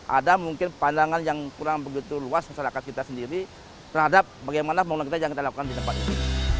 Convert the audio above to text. ada mungkin pandangan yang kurang begitu luas masyarakat kita sendiri terhadap bagaimana pembangunan kita yang kita lakukan di tempat ini